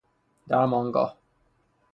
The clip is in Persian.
درمانگاه